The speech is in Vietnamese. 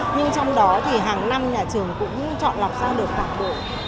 nhưng trong đó thì hàng năm nhà trường cũng chọn lọc ra được hoạt động